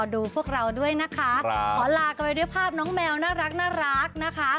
ดูพวกเราด้วยนะคะขอลากันไปด้วยภาพน้องแมวน่ารักนะคะ